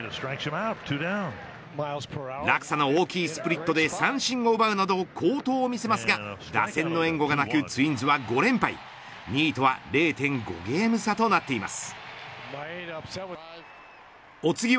落差の大きいスプリットで三振を奪うなど好投を見せますが打線の援護がなくツインズは５連敗２位とは０．５ゲーム差となっています。